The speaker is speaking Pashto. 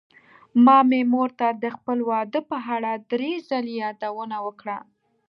ما مې مور ته د خپل واده په اړه دری ځلې يادوونه وکړه.